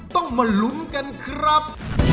ต้องมาลุ้นกันครับ